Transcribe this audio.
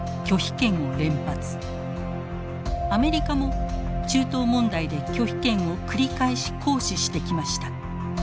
アメリカも中東問題で拒否権を繰り返し行使してきました。